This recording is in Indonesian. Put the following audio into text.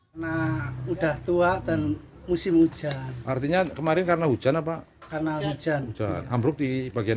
hai nah udah tua dan musim hujan artinya kemarin karena hujan apa karena hujan ambruk di bagian